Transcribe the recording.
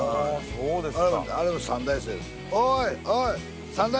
そうです。ねえ。